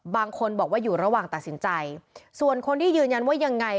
บางคนบอกว่าอยู่ระหว่างตัดสินใจส่วนคนที่ยืนยันว่ายังไง